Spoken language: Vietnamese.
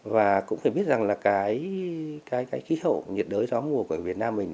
và cũng phải biết rằng là cái khí hậu nhiệt đới gió mùa của việt nam mình